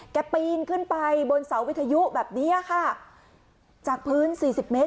ปีนขึ้นไปบนเสาวิทยุแบบนี้ค่ะจากพื้นสี่สิบเมตร